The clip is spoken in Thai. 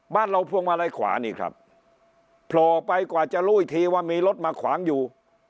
บ้านเราพวงมาลัยขวานี่ครับโผล่ไปกว่าจะรู้อีกทีว่ามีรถมาขวางอยู่